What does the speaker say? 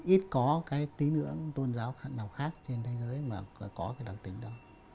ít có cái tính ưỡng tôn giáo nào khác trên thế giới mà có cái đặc tính đó